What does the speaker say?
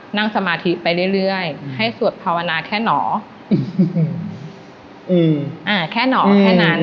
นั่งสมาธิไปเรื่อยเรื่อยให้สวดภาวนาแค่หนอแค่หนอแค่นั้น